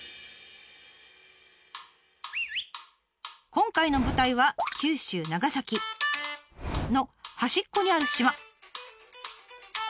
今回の舞台は九州長崎の端っこにある島。